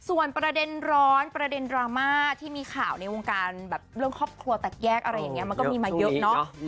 ส่วนประเด็นร้อนประเด็นดราม่าที่มีข่าวในวงการแบบเรื่องครอบครัวแตกแยกอะไรอย่างนี้มันก็มีมาเยอะเนาะ